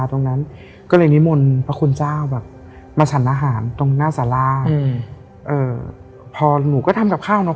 ตรงนั้นก็เลยนิมนต์พระคุณเจ้าแบบมาฉันอาหารตรงหน้าสาราอืมเอ่อพอหนูก็ทำกับข้าวเนอ